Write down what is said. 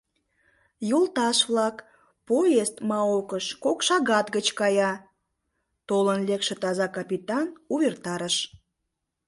— Йолташ-влак, поезд Маокыш кок шагат гыч кая! — толын лекше таза капитан увертарыш.